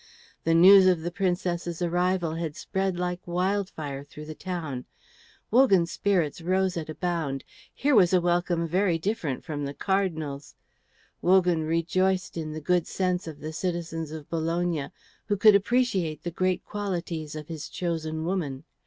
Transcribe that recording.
The news of the Princess's arrival had spread like wildfire through the town. Wogan's spirits rose at a bound. Here was a welcome very different from the Cardinal's. Wogan rejoiced in the good sense of the citizens of Bologna who could appreciate the great qualities of his chosen woman.